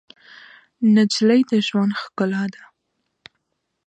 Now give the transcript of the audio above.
نجلۍ د ژوند ښکلا ده.